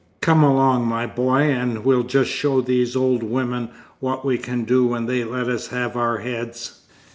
Come along, my boy, and we'll just show these old women what we can do when they let us have our heads.